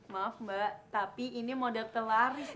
maaf mbak tapi ini model kelaris